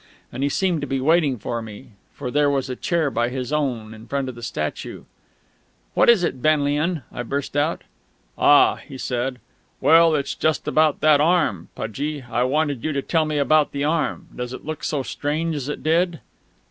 And he seemed to be waiting for me, for there was a chair by his own, in front of the statue. "What is it, Benlian?" I burst out. "Ah!" he said.... "Well, it's about that arm, Pudgie; I want you to tell me about the arm. Does it look so strange as it did?"